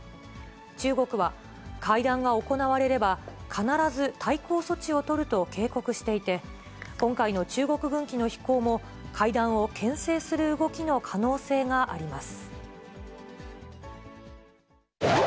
中国は、会談が行われれば、必ず対抗措置を取ると警告していて、今回の中国軍機の飛行も、会談をけん制する動きの可能性があります。